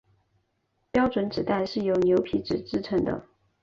标准纸袋是由牛皮纸制成的。